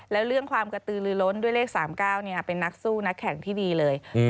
แล้วเรื่องความกระตือลือล้นด้วยเลข๓๙เป็นนักสู้นักแข่งที่ดีเลย